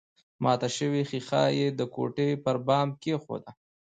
ماته شوې ښيښه يې د کوټې پر بام کېښوده